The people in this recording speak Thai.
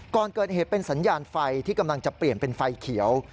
ก่อนเกิดเหตุเป็นสัญญาณไฟที่กำลังจะเปลี่ยนเป็นไฟเขียว